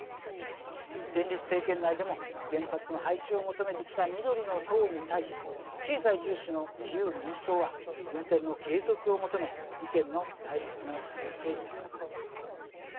連立政権内でも原発の廃止を求めてきた緑の党に対し経済重視の自由民主党は運転の継続を求め意見の対立が続いていました。